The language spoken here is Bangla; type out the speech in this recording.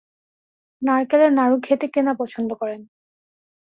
নারকেলের নাড়ু খেতে কে না পছন্দ করেন।